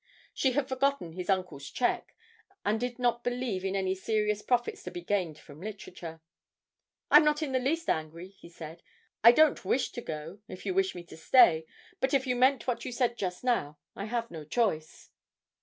She had forgotten his uncle's cheque, and did not believe in any serious profits to be gained from literature. 'I'm not in the least angry,' he said; 'I don't wish to go, if you wish me to stay, but if you meant what you said just now, I have no choice.'